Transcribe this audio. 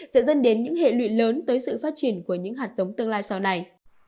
sẽ dân đến những hệ luyện lớn tới sự phát triển của những hạt giống tương lai sau này